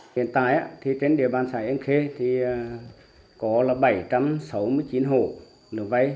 hiện tại trên địa bàn xã yên khê có bảy trăm sáu mươi chín hộ được vay